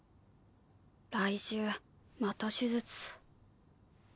来週また手術。